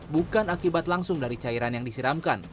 bukan akibat langsung dari cairan yang disiramkan